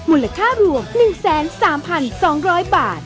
มูลค่ารวม๑๓๒๐๐บาท